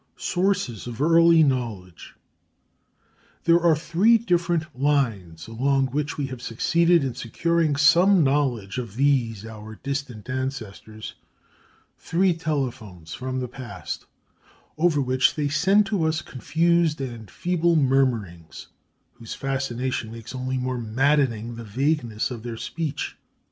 SOURCES OF EARLY KNOWLEDGE There are three different lines along which we have succeeded in securing some knowledge of these our distant ancestors, three telephones from the past, over which they send to us confused and feeble murmurings, whose fascination makes only more maddening the vagueness of their speech.